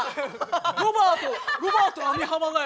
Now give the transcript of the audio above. ロバートロバート網浜だよ。